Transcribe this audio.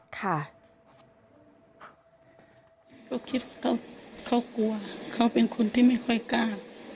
เขาคิดเขากลัวเขาเป็นคนที่ไม่ค่อยกล้า